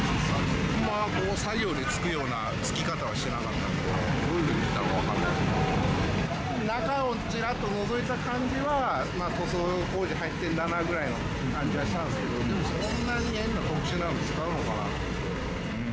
あまり作業でつくようなつき方はしてなかったので、どういうことか分からないですけど、中をちらっとのぞいた感じは、塗装工事入ってるんだなぐらいの感じはしたんですけど、でもそんなに特殊なの使うのかなと。